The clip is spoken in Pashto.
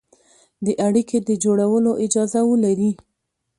د اړيکې د جوړولو اجازه ولري،